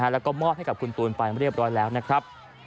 แล้วก็มอบให้กับคุณตูนไปเรียบร้อยแล้วนะครับ